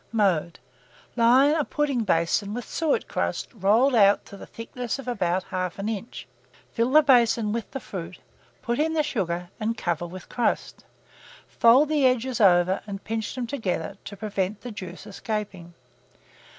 Mode. Line a pudding basin with suet crust rolled out to the thickness of about 1/2 inch; fill the basin with the fruit, put in the sugar, and cover with crust. Fold the edges over, and pinch them together, to prevent the juice escaping.